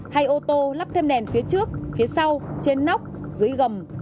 hay ô tô lắp thêm đèn phía trước phía sau trên nóc dưới gầm